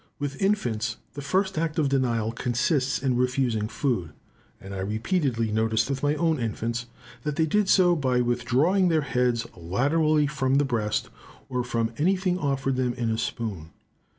With infants, the first act of denial consists in refusing food; and I repeatedly noticed with my own infants, that they did so by withdrawing their heads laterally from the breast, or from anything offered them in a spoon.